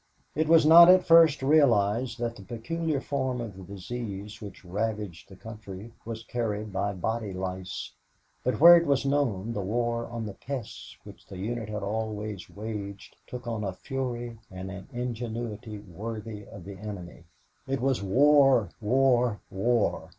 It was not at first realized that the peculiar form of the disease which ravaged the country was carried by body lice, but where it was known, the war on the pests which the unit had always waged took on a fury and an ingenuity worthy of the enemy. It was war, war, war.